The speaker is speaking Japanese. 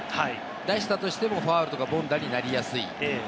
出したとしても、ファウルとか凡打になりやすい。